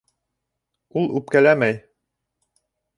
Ул үпкәләмәй.